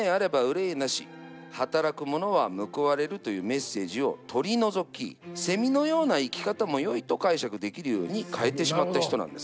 「働くものは報われる」というメッセージを取り除き「セミのような生き方も良い」と解釈できるように変えてしまった人なんですね。